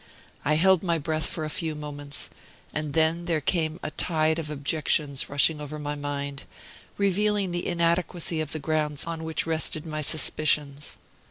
I held my breath for a few moments, and then there came a tide of objections rushing over my mind, revealing the inadequacy of the grounds on which rested my suspicions.